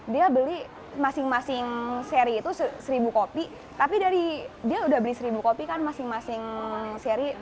dia beli masing masing seri itu seribu kopi tapi dari dia udah beli seribu kopi kan masing masing seri